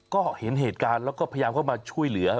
ก็เห็นเหตุการณ์แล้วก็พยายามเข้ามาช่วยเหลือ